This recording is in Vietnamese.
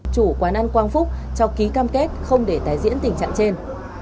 chủ quán ăn quang phúc cho ký cam kết không để tái diễn tình trạng trên